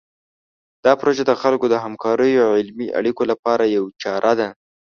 دا پروژه د خلکو د همکاریو او علمي اړیکو لپاره یوه چاره ده.